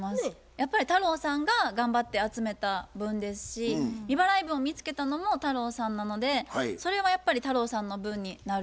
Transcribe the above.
やっぱり太郎さんが頑張って集めた分ですし未払い分を見つけたのも太郎さんなのでそれはやっぱり太郎さんの分になるのかなって思います。